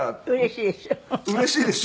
うれしいでしょ？